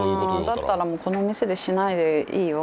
だったらこの店でしないでいいよ